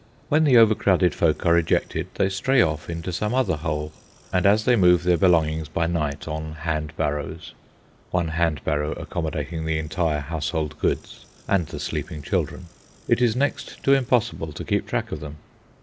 When the overcrowded folk are ejected they stray off into some other hole; and, as they move their belongings by night, on hand barrows (one hand barrow accommodating the entire household goods and the sleeping children), it is next to impossible to keep track of them.